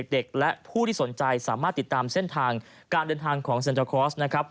เด็กและผู้ที่สนใจสามารถติดตามเส้นทางการเดินทางของเซ็นเตอร์คอร์สนะครับ